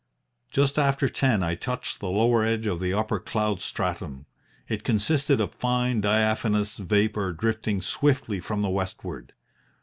"Just after ten I touched the lower edge of the upper cloud stratum. It consisted of fine diaphanous vapour drifting swiftly from the westward.